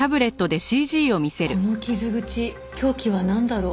この傷口凶器はなんだろう？